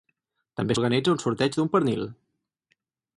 També s'organitza un sorteig d'un pernil.